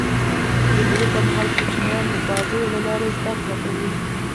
د مېلو پر مهال کوچنيان د بازيو له لاري زدهکړه کوي.